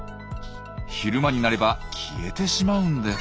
昼間になれば消えてしまうんです。